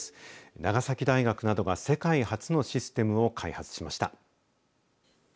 長崎大学などが世界初のシステムを開発しました。